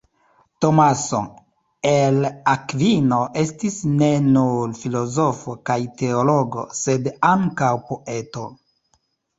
Tomaso el Akvino estis ne nur filozofo kaj teologo, sed ankaŭ poeto.